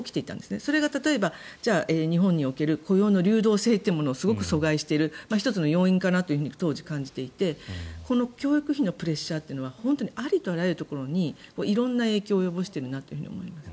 それが例えば日本における雇用の流動をすごく阻害している１つの要因かなと当時、感じていて教育費のプレッシャーというのはありとあらゆるところに色んな影響を及ぼしていると思います。